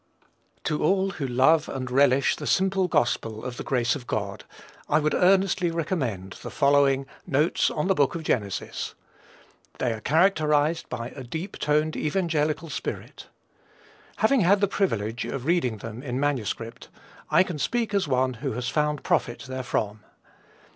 To all who love and relish the simple gospel of the grace of God, I would earnestly recommend the following "Notes on the Book of Genesis." They are characterized by a deep toned evangelical spirit. Having had the privilege of reading them in MS., I can speak as one who has found profit therefrom.